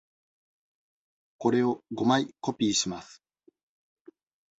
これを五枚コピーします。